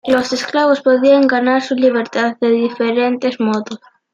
Los esclavos podían ganar su libertad de diferentes modos.